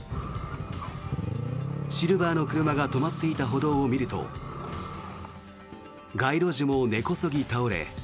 シルバーの車が止まっていた歩道を見ると街路樹も根こそぎ倒れ